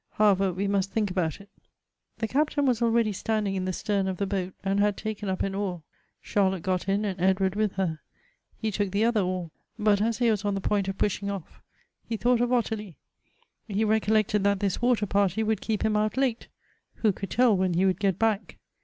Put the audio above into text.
However, we must think about it." The Captain was already standing in the stern of the boat, and had taken up an oar; Charlotte got in, and Edward with her — he took the other oar; but as he was on the point of pushing off, he thought of Ottilie — he recollected that this water party would keep him out late; who could tell when he would get back?